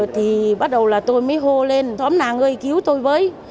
thì bắt đầu là tôi mới hô lên xóm nàng ơi cứu tôi với